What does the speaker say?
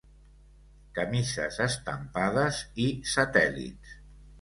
Camises estampades i satèl·lits.